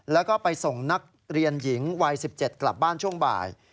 แล้วก็ไปส่งนักเรียนหญิงวัย๑๗กลับบ้านช่วงบ่าย